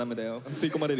吸い込まれるよ。